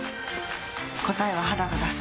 答えは肌が出す。